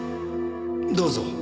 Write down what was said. どうぞ。